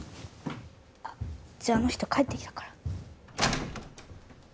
あっじゃああの人帰ってきたから。